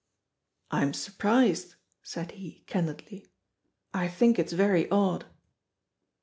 "I'm surprised," said he candidly; "I think it's very odd."